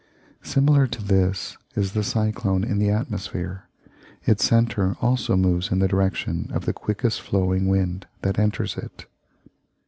Similar to this is the cyclone in the atmosphere; its centre also moves in the direction of the quickest flowing wind that enters it.